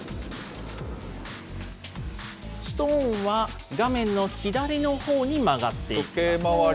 ストーンは画面の左のほうに曲がっていきます。